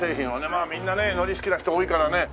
まあみんなね海苔好きな人多いからね。